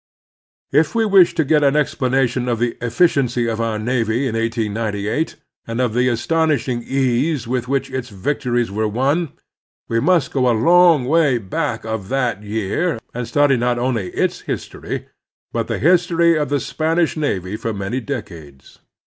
If we wish to get an explanation of the efficiency of our navy in 1898, and of the astonishing ease with which its victories were won, we mtist go a long way back of that year, and study not oniy its history, but the history of the Spanish navy for many decades.